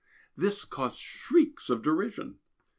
This caused shrieks of derision.